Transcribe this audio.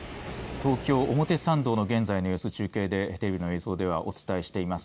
東京、表参道の現在の様子中継でテレビの映像ではお伝えしています。